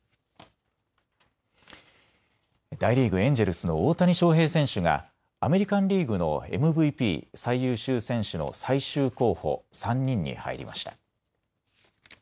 大リーグ、エンジェルスの大谷翔平選手がアメリカンリーグのＭＶＰ・最優秀選手の最終候補３人に入りました。